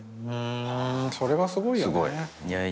ふんそれがすごいよね。